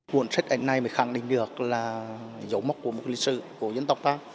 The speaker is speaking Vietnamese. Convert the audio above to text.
cuốn sách ảnh này mới khẳng định được là dấu mốc của một lý sư của dân tộc ta